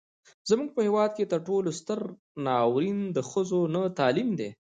زموږ په هیواد کې تر ټولو ستر ناورين د ښځو نه تعليم دی.